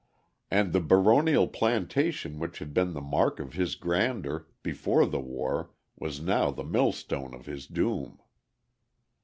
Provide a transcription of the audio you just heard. And the baronial plantation which had been the mark of his grandeur before the war was now the millstone of his doom.